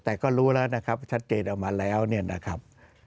แต่ก็รู้แล้วนะครับชัดเจนออกมาแล้วเนี่ยนะครับ